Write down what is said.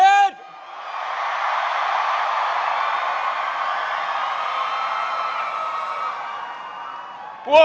พันธิกาวานิท